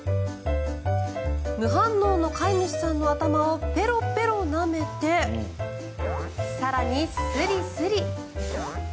無反応の飼い主さんの頭をペロペロなめて更に、スリスリ。